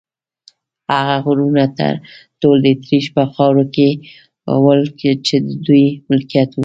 هغه غرونه ټول د اتریش په خاوره کې ول، چې د دوی ملکیت و.